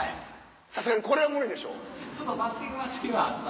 さすがにこれは無理でしょ？